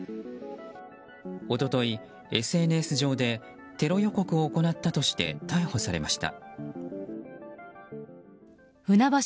一昨日、ＳＮＳ上でテロ予告を行ったとして逮捕されました。